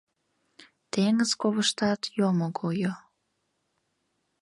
Теҥыз ковыштат йомо гойо.